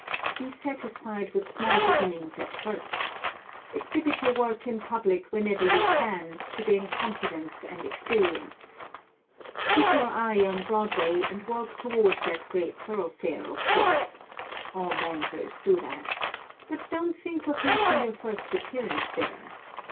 Be satisfied with small beginnings at first. Exhibit your work in public whenever you can, to gain confidence and experience. Keep your eye on Broadway and work toward that great thoroughfare, of course all dancers do that but don't think of making your first appearance there.